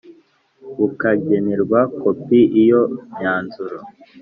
bukagenerwa kopi Iyo myanzuro